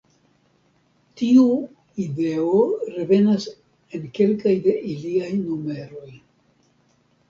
Tiu ideo revenas en kelkaj de iliaj numeroj.